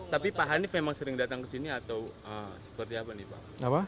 tapi pak hanif memang sering datang ke sini atau seperti apa nih pak